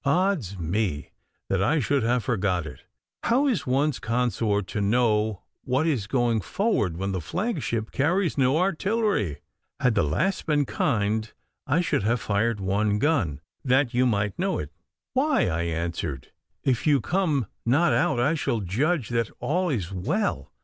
'Odds me that I should have forgot it! How is one's consort to know what is going forward when the flagship carries no artillery? Had the lass been kind I should have fired one gun, that you might know it.' 'Why,' I answered, 'if you come not out I shall judge that all is well.